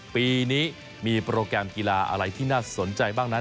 ปีนี้มีโปรแกรมกีฬาอะไรที่น่าสนใจบ้างนั้น